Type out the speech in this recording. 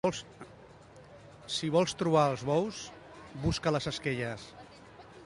Si vols trobar els bous, busca les esquelles.